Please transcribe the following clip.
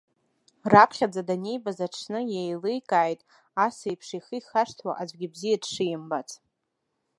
Раԥхьаӡа данибаз аҽны еиликааит, асеиԥш ихы ихашҭуа аӡәгьы бзиа дшимбац.